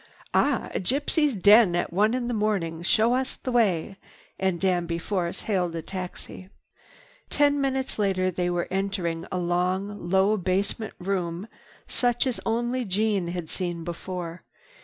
"Ah, a gypsy's den at one in the morning! Show us the way." And Danby hailed a taxi. Ten minutes later they were entering a long, low basement room such as only Jeanne had seen before.